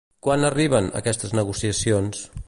Quan arriben, aquestes negociacions?